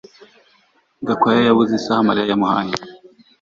Gakwaya yabuze isaha Mariya yamuhaye